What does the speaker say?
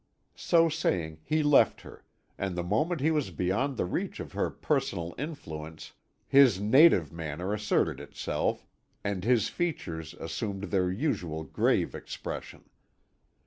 So saying he left her, and the moment he was beyond the reach of her personal influence his native manner asserted itself, and his features assumed their usual grave expression.